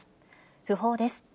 訃報です。